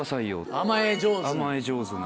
甘え上手な。